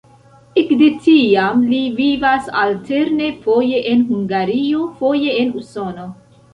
Ekde tiam li vivas alterne foje en Hungario, foje en Usono.